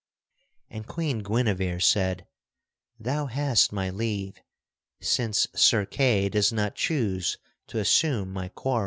And Queen Guinevere said: "Thou hast my leave, since Sir Kay does not choose to assume my quarrel."